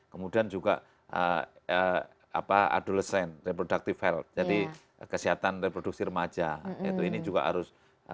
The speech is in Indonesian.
kemudian juga adulesen reproductive health jadi kesehatan reproduksi remaja itu ini juga harus